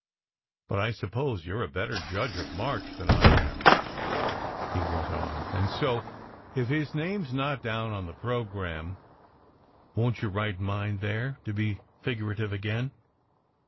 " But I suppose you re a better judge of March than I am," he went on, "and so, if his name s not down on the pro gramme, w^on t you write mine there to be figurative again?